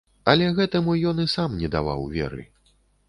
Але гэтаму ён і сам не даваў веры.